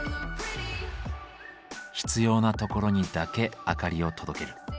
必要なところにだけ明かりを届ける。